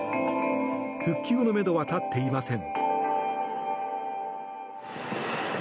復旧のめどは立っていません。